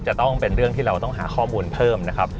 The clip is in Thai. จะต้องเป็นเรื่องที่เราต้องหาข้อมูลเพิ่มนะครับ